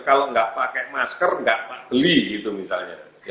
kalau nggak pakai masker nggak beli gitu misalnya